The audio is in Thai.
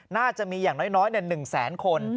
น่าจะมีอย่างน้อย๑แสนคน